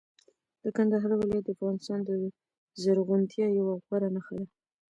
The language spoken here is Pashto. د کندهار ولایت د افغانستان د زرغونتیا یوه غوره نښه ده.